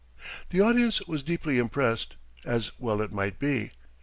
The audience was deeply impressed, as well it might be.